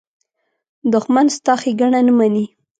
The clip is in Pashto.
دښمن ستا ښېګڼه نه مني